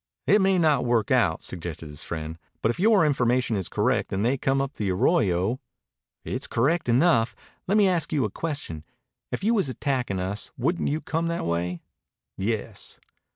"It may not work out," suggested his friend. "But if your information is correct and they come up the arroyo " "It's c'rect enough. Lemme ask you a question. If you was attacktin' us, wouldn't you come that way?" "Yes."